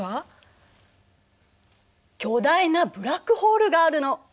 巨大なブラックホールがあるの。